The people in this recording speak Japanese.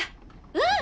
うん！